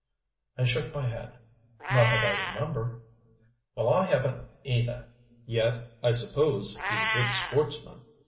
I shook my head. "Not that I remember." "Well, I haven't either yet I suppose he's a good sportsman.